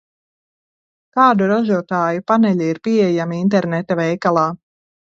Kādu ražotāju paneļi ir pieejami interneta veikalā?